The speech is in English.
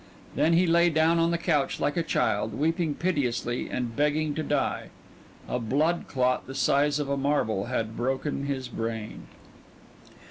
Then he lay down on the couch like a child, weeping piteously and begging to die. A blood clot the size of a marble had broken his brain.